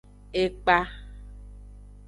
Ekpa.